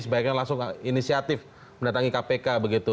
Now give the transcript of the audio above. sebaiknya langsung inisiatif mendatangi kpk begitu